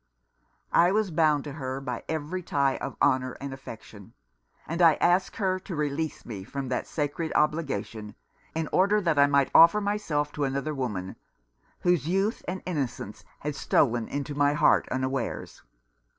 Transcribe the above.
I was bound to her by every tie of honour and affection ; and I asked her to release me from that sacred obligation in order that I might offer myself to another woman, whose youth and innocence had stolen into my heart unawares.